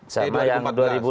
sama yang dua ribu enam belas